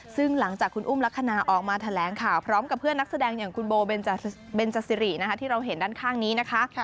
ซึ่งหลังจากคุณอุ้มลักษณะออกมาแถลงข่าวพร้อมกับเพื่อนนักแสดงอย่างคุณโบเบนจสิรินะคะที่เราเห็นด้านข้างนี้นะคะ